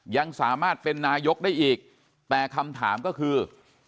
ยังสามารถเป็นนายกได้อีกแต่คำถามก็คือ